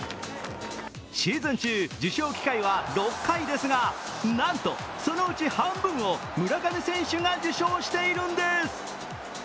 シーズン中、受賞機会は６回ですが、なんとそのうち半分を村上選手が受賞しているんです。